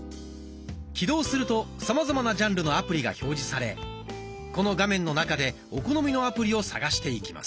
起動するとさまざまなジャンルのアプリが表示されこの画面の中でお好みのアプリを探していきます。